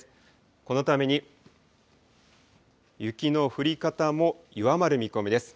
このために雪の降り方も弱まる見込みです。